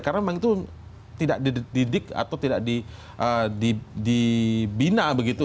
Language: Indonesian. karena memang itu tidak dididik atau tidak dibina begitu